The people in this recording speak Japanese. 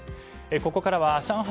ここからは上海